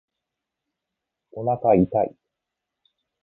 おなか痛い